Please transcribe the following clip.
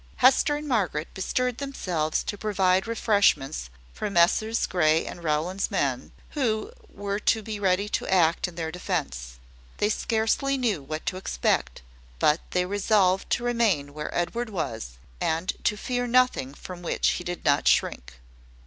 Hester and Margaret bestirred themselves to provide refreshments for Messrs. Grey and Rowland's men, who were to be ready to act in their defence. They scarcely knew what to expect; but they resolved to remain where Edward was, and to fear nothing from which he did not shrink.